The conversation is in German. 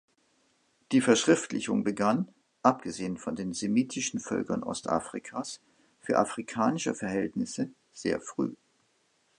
Eine Verschriftlichung begann, abgesehen von den semitischen Völkern Ostafrikas, für afrikanische Verhältnisse sehr früh.